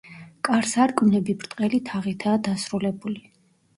კარ-სარკმლები ბრტყელი თაღითაა დასრულებული.